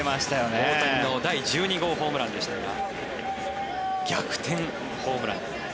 大谷の第１２号ホームランでしたが逆転ホームラン。